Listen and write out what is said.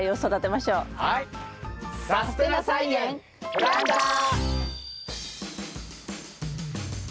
「さすてな菜園プランター」。